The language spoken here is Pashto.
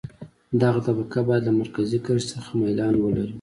دغه طبقه باید له مرکزي کرښې څخه میلان ولري